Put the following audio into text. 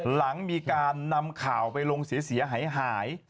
หลังมีการนำข่าวไปลงเสียหาย